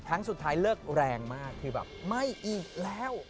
ครั้งสุดท้ายเลิกแรงมากคือแบบไม่อีกแล้ว